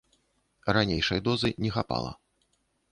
Ранейшай дозы не хапала.